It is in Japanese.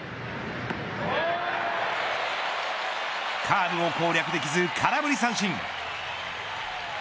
カーブを攻略できず空振り三振。